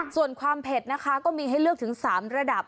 ส่วนความเผ็ดนะคะก็มีให้เลือกถึง๓ระดับ